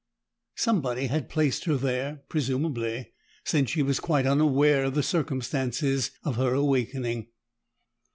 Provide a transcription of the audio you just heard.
Somebody had placed her there, presumably, since she was quite unaware of the circumstances of her awakening.